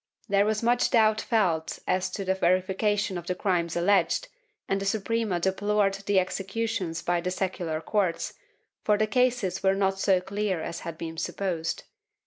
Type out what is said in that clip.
There was much doubt felt as to the verification of the crimes alleged, and the Suprema deplored the executions by the secular courts, for the cases were not so clear as had been supposed.